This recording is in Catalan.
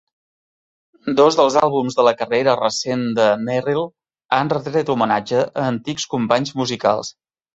Dos dels àlbums de la carrera recent de Merrill han retret homenatge a antics companys musicals.